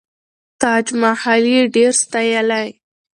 تاج محل یې ډېر ستایلی.